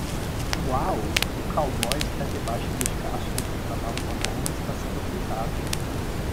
Uau! O cowboy está debaixo dos cascos do cavalo marrom e está sendo pisado.